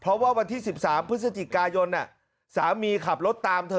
เพราะว่าวันที่๑๓พฤศจิกายนสามีขับรถตามเธอ